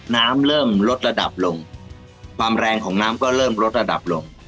น้ำเริ่มลดระดับลงความแรงของน้ำก็เริ่มลดระดับลง